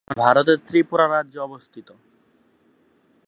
রাজ্য রাজ্যটি বর্তমান ভারতের ত্রিপুরা রাজ্যে অবস্থিত।